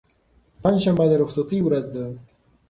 پنجشنبه د رخصتۍ ورځ ده.